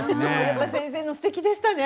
先生のすてきでしたね。